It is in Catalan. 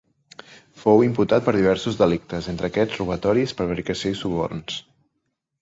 Fou imputat per diversos delictes, entre aquests: robatoris, prevaricació i suborns.